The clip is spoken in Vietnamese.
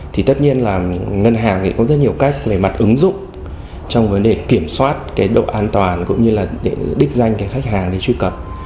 thì tất nhiên là ngân hàng có rất nhiều cách về mặt ứng dụng trong vấn đề kiểm soát độ an toàn cũng như là đích danh khách hàng để truy cập